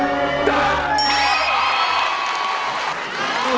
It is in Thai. กลับร้องได้ให้ร้าง